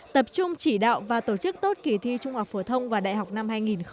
tập trung chỉ đạo và tổ chức tốt kỳ thi trung học phổ thông và đại học năm hai nghìn hai mươi